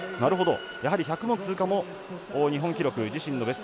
やはり１００の通過も日本記録自身の持つ